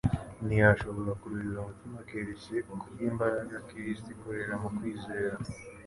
Ntiyashobora kuruyura umutima keretse kubw'imbaraga ya Kristo ikorera mu kwizera.